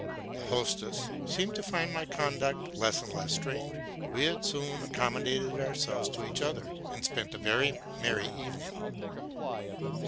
'' The hostess seemed to find my con duct less and less strange: we had soon accommodated our selves to each other, and spent a very merry evening.